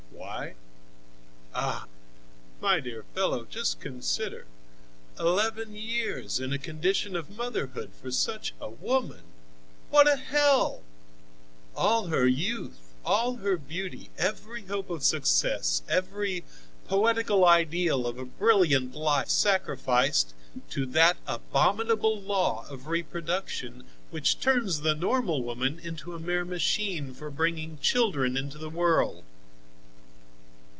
"Why? Ah! my dear fellow, just consider! Eleven years in a condition of motherhood for such a woman! What a hell! All her youth, all her beauty, every hope of success, every poetical ideal of a brilliant life sacrificed to that abominable law of reproduction which turns the normal woman into a mere machine for bringing children into the world."